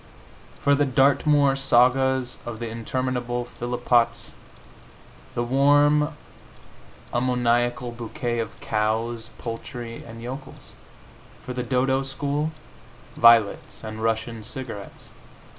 For the Dartmoor sagas of the interminable Phillpotts, the warm ammoniacal bouquet of cows, poultry and yokels. For the "Dodo" school, violets and Russian cigarettes.